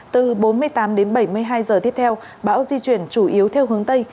từ bốn mươi tám đến bảy mươi hai giờ tiếp theo bão di chuyển chủ yếu theo hướng tây